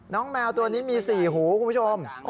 น้องแมวตัวนี้มีสี่หูคุณผู้ชม